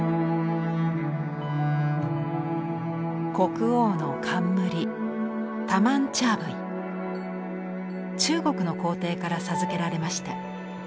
国王の冠中国の皇帝から授けられました。